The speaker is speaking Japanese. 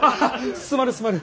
すまぬすまぬ。